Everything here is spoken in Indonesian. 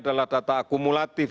ral apa saja beberapa masalah